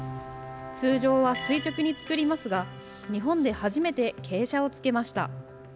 通常は垂直に作りますが、日本で初めて傾斜をつけました。